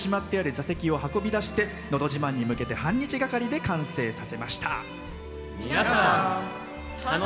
床下にしまってある座席を運び込んで「のど自慢」に向けて半日がかりで完成させました。